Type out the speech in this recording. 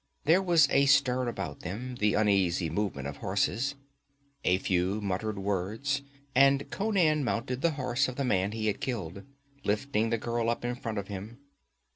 There was a stir about them, the uneasy movement of horses. A few muttered words, and Conan mounted the horse of the man he had killed, lifting the girl up in front of him.